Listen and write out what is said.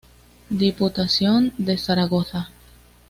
Diputación de Zaragoza.